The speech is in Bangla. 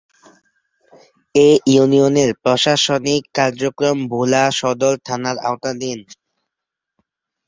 এ ইউনিয়নের প্রশাসনিক কার্যক্রম ভোলা সদর থানার আওতাধীন।